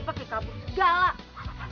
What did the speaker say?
pakai kabur segala